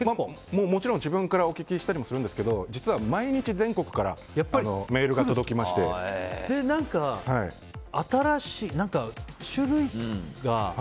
もちろん自分からお聞きしたりもするんですけど実は毎日、全国から何か、新しい種類が。